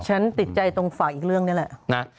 ฉันติดใจตรงฝากอีกเรื่องนี่แหละนะ